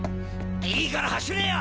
いいから走れよ！